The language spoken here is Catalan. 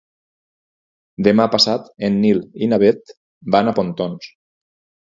Demà passat en Nil i na Bet van a Pontons.